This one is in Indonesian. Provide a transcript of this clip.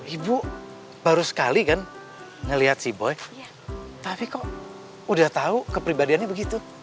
ibu baru sekali kan ngelihat si boy tapi kok udah tahu kepribadiannya begitu